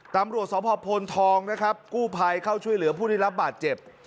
ตำรวจสพโพนทองนะครับกู้ภัยเข้าช่วยเหลือผู้ได้รับบาดเจ็บ